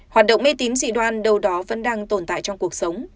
hoạt động mê tín dị đoan đâu đó vẫn đang tồn tại trong cuộc sống